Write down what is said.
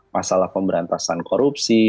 masalah pemberantasan korupsi